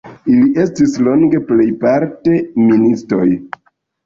Ili estis longe plejparte ministoj.